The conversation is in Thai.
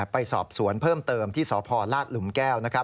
ไปสอบสวนเพิ่มเติมที่สพลาดหลุมแก้ว